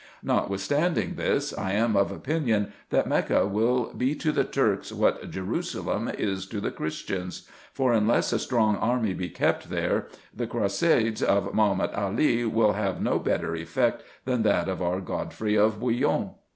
Notwithstanding this, I am of opinion, that Mecca will be to the Turks, what Jerusalem is to the Christians ; for, unless a strong army be kept there, the croisades of Mahomet Ali will have no better effect, than that of our Godfrey of Bouillon.